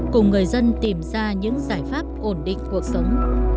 cùng người dân tìm ra những giải pháp ổn định cuộc sống